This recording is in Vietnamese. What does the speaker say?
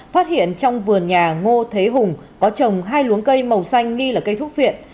phát hiện trong vườn nhà ngô thế hùng có trồng hai luống cây màu xanh nghi là cây thuốc viện